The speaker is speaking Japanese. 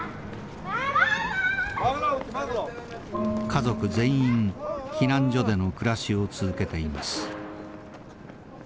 家族全員避難所での暮らしを続けています。